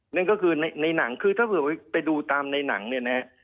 นั่นก็คือในหนังคือถ้าเผื่อไปดูตามในหนังเนี่ยนะฮะ